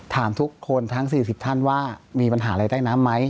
ถามทุกคนทั้ง๔๐ท่านว่ามีปัญหาอะไรใต้น้ำไหม